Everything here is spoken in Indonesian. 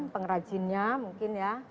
pengrajinnya mungkin ya